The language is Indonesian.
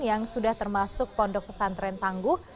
yang sudah termasuk pondok pesantren tangguh